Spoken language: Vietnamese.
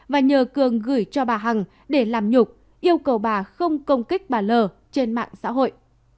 và nhờ cường gửi cho bà hằng để làm nhục yêu cầu bà không công kích bà l trên mạng xã hội